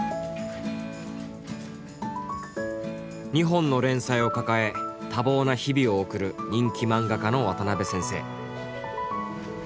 ２本の連載を抱え多忙な日々を送る人気漫画家の渡辺先生。